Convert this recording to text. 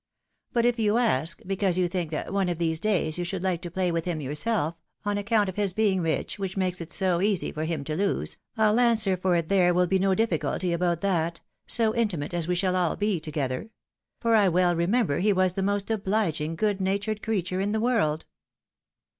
But if you ask, because you think that one of these days you should hke to play with him yourself, on account of his being rich, which makes it so easy for him to lose, m answer for it there will be no difficulty about that, so intimate as we shall all be together — for I well remember he was the most obhging, good natured creature in the world.